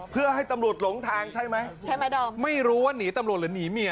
เพื่อให้ตำรวจหลงทางใช่ไหมใช่ไหมดอมไม่รู้ว่าหนีตำรวจหรือหนีเมีย